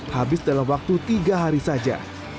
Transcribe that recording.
habis dalam waktu tiga hari saja